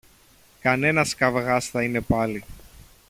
Κανένας καβγάς θα είναι πάλι